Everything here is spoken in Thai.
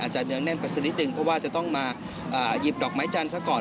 เนื้องแน่นไปสักนิดนึงเพราะว่าจะต้องมาหยิบดอกไม้จันทร์ซะก่อน